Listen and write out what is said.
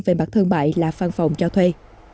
về mặt thương mại là văn phòng cho thuê